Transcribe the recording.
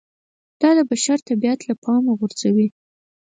دا د بشر طبیعت له پامه غورځوي